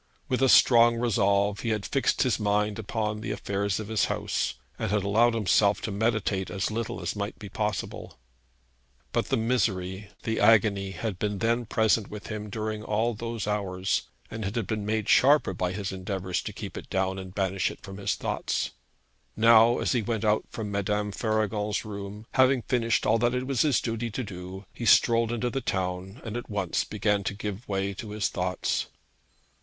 With a strong resolve he had fixed his mind upon the affairs of his house, and had allowed himself to meditate as little as might be possible. But the misery, the agony, had been then present with him during all those hours, and had been made the sharper by his endeavours to keep it down and banish it from his thoughts. Now, as he went out from Madame Faragon's room, having finished all that it was his duty to do, he strolled into the town, and at once began to give way to his thoughts.